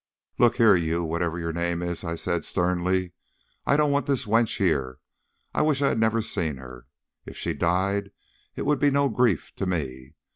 "Look here, you whatever your name is," I said sternly; "I don't want this wench here. I wish I had never seen her. If she died it would be no grief to me.